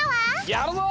やるぞ！